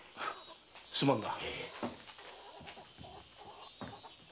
すまんな。